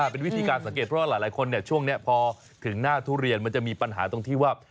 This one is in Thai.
เป็นวิธีการสังเกตเพราะว่าหลายคนช่วงนี้พอถึงหน้าทุเรียนมันจะมีปัญหาตรงที่ว่า